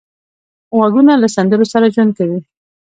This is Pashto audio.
غوږونه له سندرو سره ژوند کوي